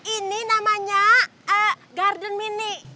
ini namanya garden mini